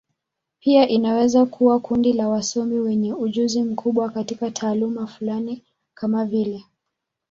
Pia inaweza kuwa kundi la wasomi wenye ujuzi mkubwa katika taaluma fulani, kama vile.